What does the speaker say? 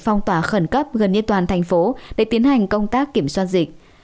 phong tỏa khẩn cấp gần như toàn thành phố để tiến hành công tác kiểm soát dịch